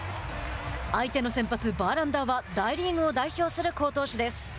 相手の先発バーランダーは大リーグを代表する好投手です。